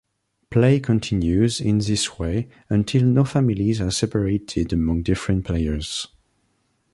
Play continues in this way until no families are separated among different players.